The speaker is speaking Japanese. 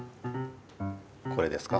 これですか？